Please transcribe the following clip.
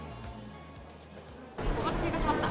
お待たせいたしました。